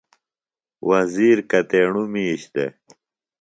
وزیر کتیݨُوۡ مِیش دےۡ؟